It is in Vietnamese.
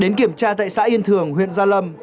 đến kiểm tra tại xã yên thường huyện gia lâm